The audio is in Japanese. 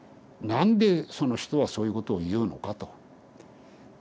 何でその人はそういうことを言うのかと。